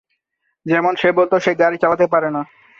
যেমন সে বলতো সে গাড়ি চালাতে পারে না।